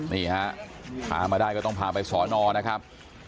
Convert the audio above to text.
นี่ฮะพามาได้ก็ต้องพาไปสอนอนะครับ